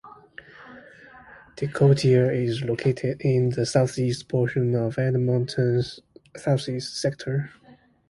Decoteau is located in the southeast portion of Edmonton's southeast sector.